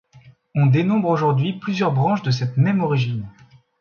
On dénombre aujourd'hui plusieurs branches de cette même origine.